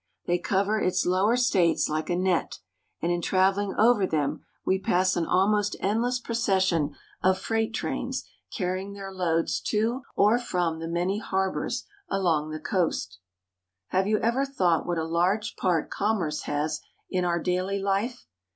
They cover its lower states like a net, and in travcHng over them we pass an almost endless procession S2 NEW ENGLAND. of freight trains carrying their loads to or from the many harbors along the coast. Have you ever thought what a large part commerce has in our daily life?